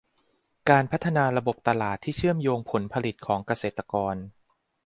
การพัฒนาระบบตลาดที่เชื่อมโยงผลผลิตของเกษตรกร